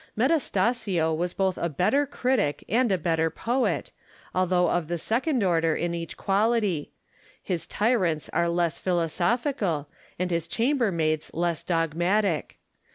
Metastasio was both a better critic and a better poet, although of the second order in each quality ; his tyrants are less philosophical, and his chambermaids less dogmatic.